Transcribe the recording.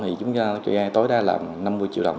thì chúng ta cho vay tối đa là năm mươi triệu đồng